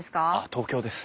東京です。